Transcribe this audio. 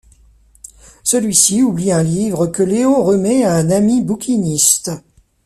Celui-ci oublie un livre que Léo remet à un ami bouquiniste.